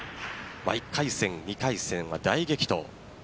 １回戦、２回戦は大激闘。